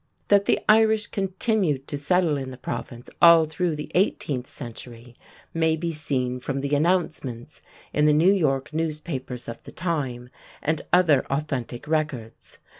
That the Irish continued to settle in the Province all through the eighteenth century may be seen from the announcements in the New York newspapers of the time and other authentic records.